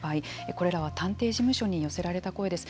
これらは探偵事務所に寄せられた声です。